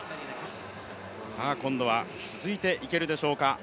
今度は続いていけるでしょうか。